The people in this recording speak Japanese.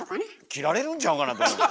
切られるんちゃうかなと思う。